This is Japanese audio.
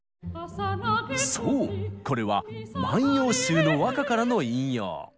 そうこれは「万葉集」の和歌からの引用。